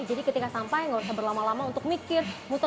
jadi ketika sampai tidak perlu berlama lama untuk mikir muter muter